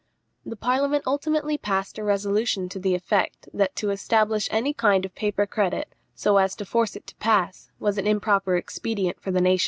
The Parliament ultimately passed a resolution to the effect, that, to establish any kind of paper credit, so as to force it to pass, was an improper expedient for the nation.